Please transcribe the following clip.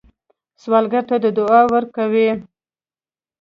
سوالګر ته دعا ورکوئ